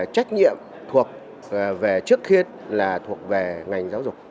trách nhiệm thuộc về trước khi là thuộc về ngành giáo dục